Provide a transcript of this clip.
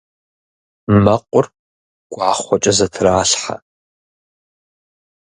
Мэкъур гуахъуэкӏэ зэтралъхьэ.